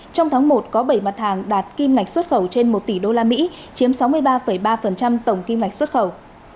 trong tháng một có bảy mặt hàng đạt kim ngạch xuất khẩu trên một tỷ usd chiếm sáu mươi ba ba tổng kim ngạch xuất khẩu